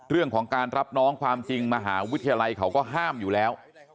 เรื่องของการรับน้องความจริงมหาวิทยาลัยเขาก็ห้ามอยู่แล้ว